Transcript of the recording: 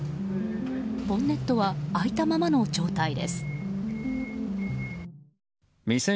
ボンネットは開いたままの状態です。